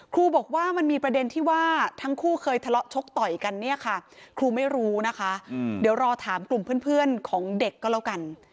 ครูบอกว่ามันมีประเด็นที่ว่าทั้งคู่เคยทะเลาะชกต่อยกันเนี่ยค่ะครูไม่รู้นะคะเดี๋ยวรอถามกลุ่มเพื่อนของเด็กก็แล้วกัน